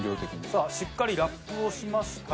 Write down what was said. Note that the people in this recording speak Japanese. さあしっかりラップをしまして。